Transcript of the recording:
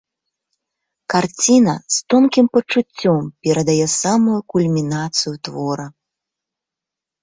Карціна з тонкім пачуццём перадае самую кульмінацыю твора.